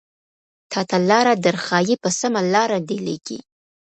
تاته لاره درښايې په سمه لاره دې ليږي